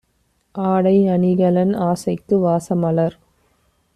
ஆடை, அணிகலன், ஆசைக்கு வாசமலர்